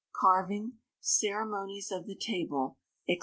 Carving, Ceremonies of the Table, &c.